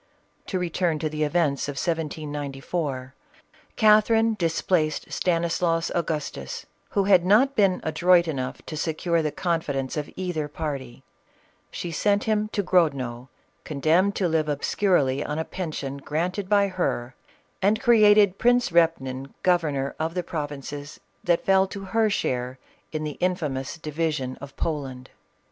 To return to the events of 1794. Catherine dis placed Stanislaus Agustus, who had not been adroit enough to secure the confidence of either party ; she sent him to Grodno, condemned to live obscurely on a pension granted by her, and created Prince Repnin governor of the provinces that fell to her share in the infamous division of Poland.